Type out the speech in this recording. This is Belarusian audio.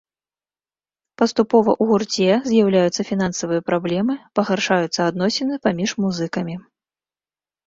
Паступова ў гурце з'яўляюцца фінансавыя праблемы, пагаршаюцца адносіны паміж музыкамі.